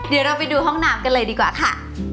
เดี๋ยวเราไปดูห้องน้ำกันเลยดีกว่าค่ะ